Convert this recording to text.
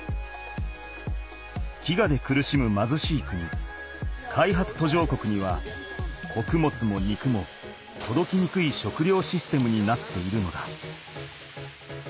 飢餓で苦しむまずしい国開発途上国にはこくもつも肉もとどきにくい食料システムになっているのだ。